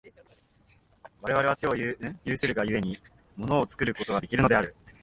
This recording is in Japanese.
我々は手を有するが故に、物を作ることができるのである。